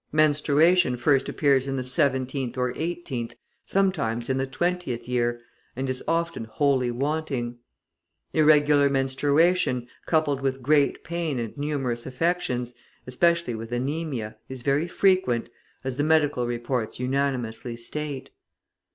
{162c} Menstruation first appears in the seventeenth or Eighteenth, sometimes in the twentieth year, and is often wholly wanting. {163a} Irregular menstruation, coupled with great pain and numerous affections, especially with anaemia, is very frequent, as the medical reports unanimously state.